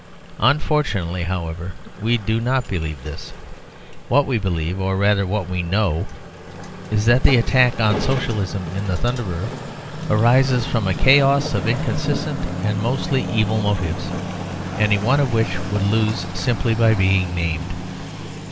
Unfortunately, however, we do not believe this. What we believe, or, rather, what we know, is that the attack on Socialism in the Thunderer arises from a chaos of inconsistent and mostly evil motives, any one of which would lose simply by being named.